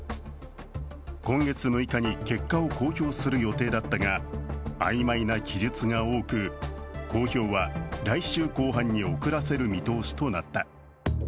今月６日に結果を公表する予定だったがあいまいな記述が多く、公表は来週後半に遅らせる見通しとなった。